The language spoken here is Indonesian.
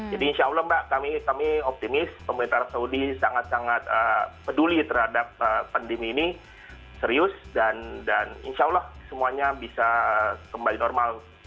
jadi insya allah mbak kami optimis pemerintah saudi sangat sangat peduli terhadap pandemi ini serius dan insya allah semuanya bisa kembali normal